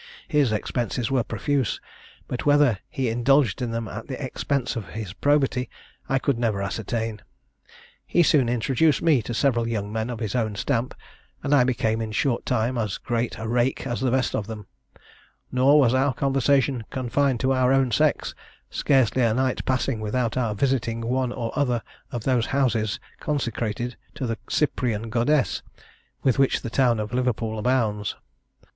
His expenses were profuse, but whether he indulged in them at the expense of his probity I could never ascertain. He soon introduced me to several young men of his own stamp, and I became in a short time as great a rake as the best of them: nor was our conversation confined to our own sex, scarcely a night passing without our visiting one or other of those houses consecrated to the Cyprian Goddess, with which the town of Liverpool abounds.